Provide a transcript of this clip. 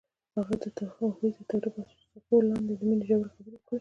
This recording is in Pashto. هغوی د تاوده څپو لاندې د مینې ژورې خبرې وکړې.